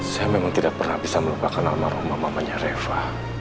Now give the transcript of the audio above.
saya memang tidak pernah bisa melupakan almarhumah mamanya reva